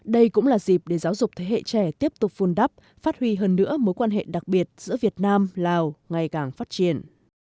đây cũng là dịp để giáo dục thế hệ trẻ tiếp tục vun đắp phát huy hơn nữa mối quan hệ đặc biệt giữa việt nam lào ngày càng phát triển